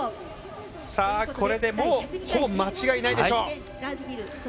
これで、もうほぼ間違いないでしょう。